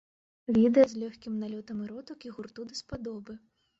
Відэа з лёгкім налётам эротыкі гурту даспадобы.